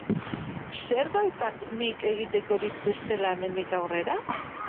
Zer daukat nik egitekorik bestela hemendik aurrera?